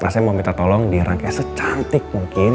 nah saya mau minta tolong dirangkai secantik mungkin